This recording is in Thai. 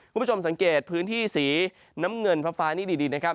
คุณผู้ชมสังเกตพื้นที่สีน้ำเงินฟ้านี่ดีนะครับ